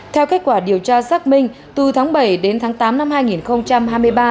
theo kết quả điều tra xác minh từ tháng bảy đến tháng tám năm hai nghìn hai mươi ba